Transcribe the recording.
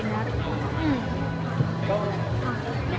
ก็พูดได้ประมาณเนี่ยครับ